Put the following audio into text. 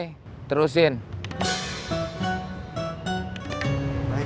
tapi berhubung lo udah mulai